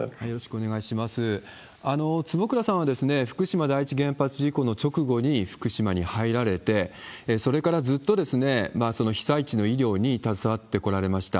坪倉さんは福島第一原発事故の直後に福島に入られて、それからずっと、その被災地の医療に携わってこられました。